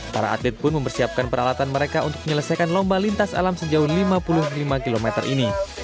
para atlet pun mempersiapkan peralatan mereka untuk menyelesaikan lomba lintas alam sejauh lima puluh lima km ini